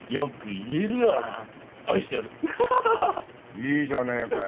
いいじゃねえかよ。